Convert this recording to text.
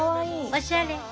おしゃれ。